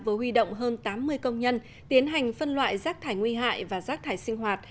vừa huy động hơn tám mươi công nhân tiến hành phân loại rác thải nguy hại và rác thải sinh hoạt